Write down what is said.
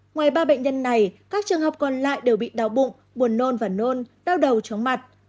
ngoài ba bệnh nhân này các trường hợp còn lại đều bị đau bụng buồn nôn và nôn đau đầu chóng mặt